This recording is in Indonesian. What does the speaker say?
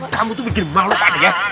kamu tuh bikin malu pak adek ya